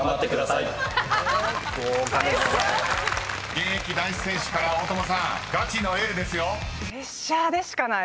［現役男子選手から大友さんガチのエールですよ］